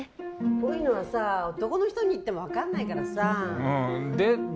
こういうのはさ男の人に言っても分かんないから。